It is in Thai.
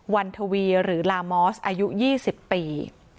วันทวีหรือลามอสอายุ๒๐ปี